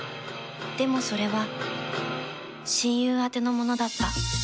でも、それは親友宛てのものだった。